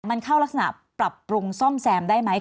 มันเข้ารักษณะปรับปรุงซ่อมแซมได้ไหม